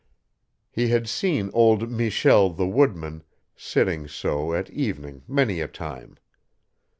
He had seen old Michel the woodman sitting so at evening many a time.